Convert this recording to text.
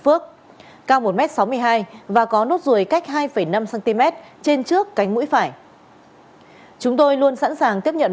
phước cao một m sáu mươi hai và có nốt ruồi cách hai năm cm trên trước cánh mũi phải chúng tôi luôn sẵn sàng tiếp nhận